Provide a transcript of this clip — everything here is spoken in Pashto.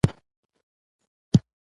چې تراوسه پرې موږ نه پوهېدو